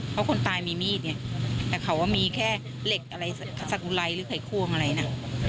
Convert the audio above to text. เพราะคนตายมีมีดเนี่ยแต่เขาว่ามีแค่เหล็กอะไรสักกุไรหรือไข่ควงอะไรนะ